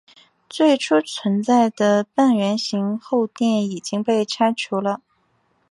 最初存在的半圆形后殿已经被拆除了。